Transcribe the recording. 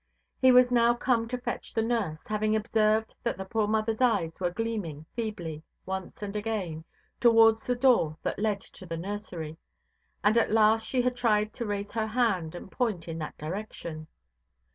He was now come to fetch the nurse, having observed that the poor motherʼs eyes were gleaming feebly, once and again, towards the door that led to the nursery; and at last she had tried to raise her hand, and point in that direction.